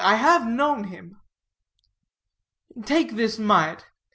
I have known him." "Take this mite.